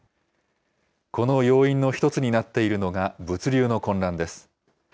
この要因の１つになっているのが物流の混乱です。